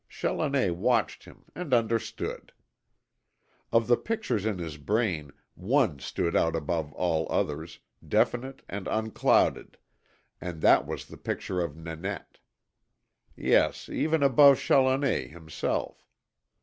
Challoner watched him, and understood. Of the pictures in his brain one stood out above all others, definite and unclouded, and that was the picture of Nanette. Yes, even above Challoner himself.